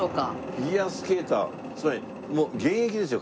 フィギュアスケーターつまりもう現役ですよ